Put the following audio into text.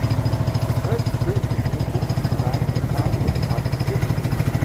The Krk Bridge is located nearby, in the southeast part of the city.